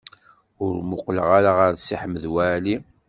Ur muqleɣ ara ɣer Si Ḥmed Waɛli.